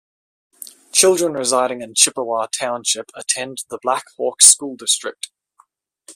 Children residing in Chippewa Township attend the Blackhawk School District.